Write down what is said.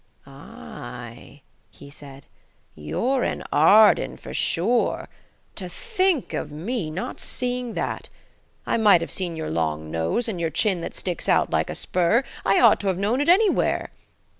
"Aye," he said, "you're an Arden, for sure. To think of me not seeing that. I might have seen your long nose and your chin that sticks out like a spur. I ought to have known it anywhere.